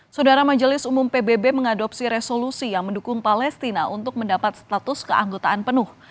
saudara majelis umum pbb mengadopsi resolusi yang mendukung palestina untuk mendapat status keanggotaan penuh